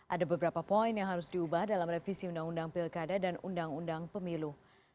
ada beberapa poin yang harus diubah dalam revisi undang undang pilkada dan undang undang pemilu